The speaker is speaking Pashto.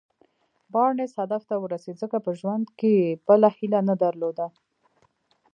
بارنس هدف ته ورسېد ځکه په ژوند کې يې بله هيله نه درلوده.